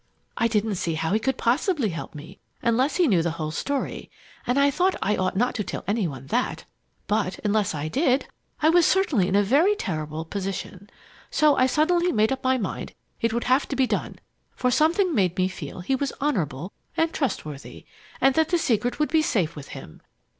"I didn't see how he could possibly help me unless he knew the whole story, and I thought I ought not tell any one that! But unless I did, I was certainly in a very terrible position. So I suddenly made up my mind it would have to be done, for something made me feel he was honorable and trustworthy, and that the secret would be safe with him.